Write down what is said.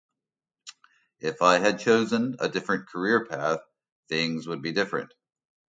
If I had chosen a different career path, things would be different.